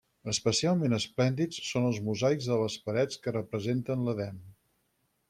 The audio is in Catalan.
Especialment esplèndids són els mosaics de les parets que representen l'edèn.